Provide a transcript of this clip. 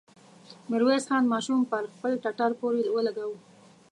ميرويس خان ماشوم پر خپل ټټر پورې ولګاوه.